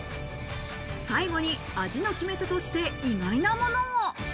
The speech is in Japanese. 最後に味の決め手として意外なものを。